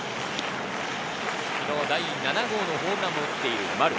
昨日、第７号のホームランも打っている丸。